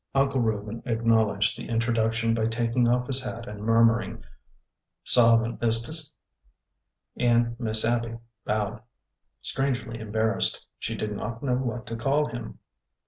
Uncle Reuben acknowledged the introduction by tak ing off his hat and murmuring, '' Sarvent, Mistis," and Miss Abby bowed, strangely embarrassed. She did not know what to call him.